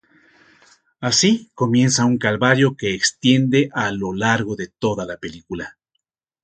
Asi comienza un calvario que extiende a lo largo de toda la película.